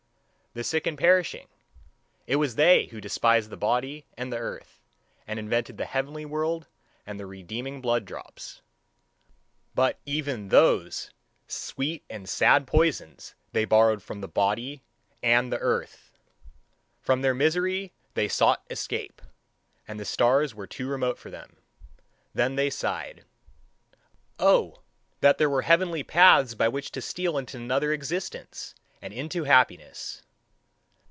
The sick and perishing it was they who despised the body and the earth, and invented the heavenly world, and the redeeming blood drops; but even those sweet and sad poisons they borrowed from the body and the earth! From their misery they sought escape, and the stars were too remote for them. Then they sighed: "O that there were heavenly paths by which to steal into another existence and into happiness!"